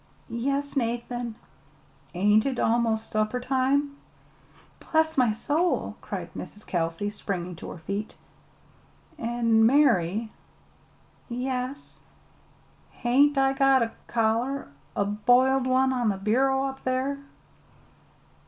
"Yes, Nathan." "Ain't it 'most supper time?" "Bless my soul!" cried Mrs. Kelsey, springing to her feet. "An', Mary " "Yes." "Hain't I got a collar a b'iled one, on the bureau up there?"